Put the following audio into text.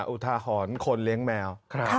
อุทาหรณ์คนเลี้ยงแมว